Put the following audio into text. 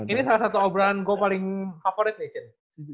ini salah satu obrolan gue paling favorite nih